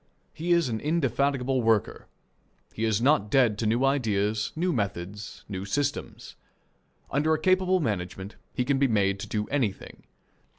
He is an indefatigable worker. He is not dead to new ideas, new methods, new systems. Under a capable management he can be made to do anything.